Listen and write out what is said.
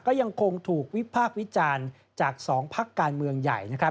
ก็ยังคงถูกวิพากษ์วิจารณ์จาก๒พักการเมืองใหญ่